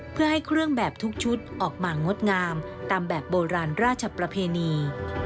เพื่อให้เครื่องแบบทุกชุดออกมางดงามตามแบบโบราณราชประเพณี